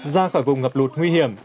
ra khỏi vùng ngập lụt nguy hiểm